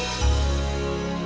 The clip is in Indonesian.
aku sudah berubah